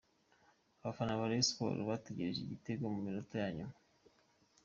Abafana ba Rayon Sports bategereje igitego mu minota ya nyuma.